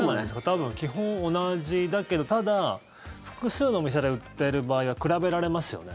多分、基本同じだけどただ、複数の店で売ってる場合は比べられますよね。